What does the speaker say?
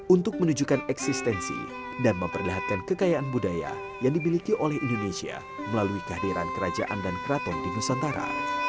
untuk menunjukkan eksistensi dan memperlihatkan kekayaan budaya yang dimiliki oleh indonesia melalui kehadiran kerajaan dan keraton di nusantara